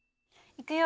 いくよ。